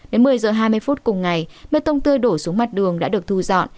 đến một mươi giờ hai mươi phút cùng ngày bê tông tươi đổ xuống mặt đường đã được thu dọn